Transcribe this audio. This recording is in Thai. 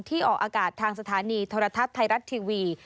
ออกอากาศทางสถานีโทรทัศน์ไทยรัฐทีวี